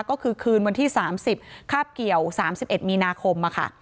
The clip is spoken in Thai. ก็คือคืนวันที่๓๐คาบเกี่ยว๓๑มีนาคมค่ะ